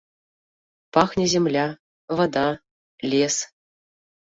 Пахне зямля, вада, лес.